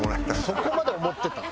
そこまで思ってた？